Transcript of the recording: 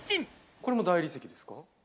これも大理石ですか？